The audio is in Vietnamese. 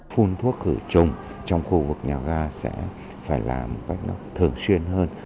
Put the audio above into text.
phun thuốc khử trùng trong khu vực nhà ga sẽ phải làm một cách thường xuyên hơn